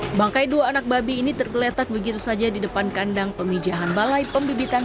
hai bangkai dua anak babi ini tergeletak begitu saja di depan kandang pemijahan balai pembibitan